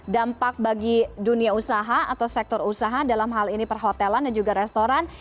dampak bagi dunia usaha atau sektor usaha dalam hal ini perhotelan dan juga restoran